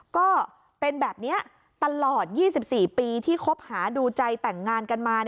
ก็เป็นแบบนี้ตลอด๒๔ปีที่คบหาดูใจแต่งงานกันมา